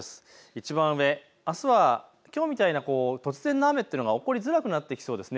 いちばん上、あすはきょうみたいな突然の雨は起こりづらくなってきそうです。